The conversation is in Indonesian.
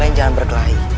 kalian jangan berkelahi